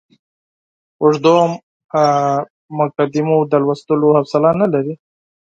اوږدو مقدمو د لوستلو حوصله نه لري.